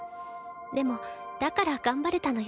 でもだから頑張れたのよ。